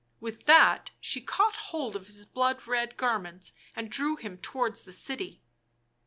With that she caught hold of his blood red garments and drew him towards the city.